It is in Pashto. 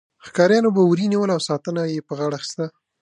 ښکاریانو به وري نیول او ساتنه یې په غاړه اخیسته.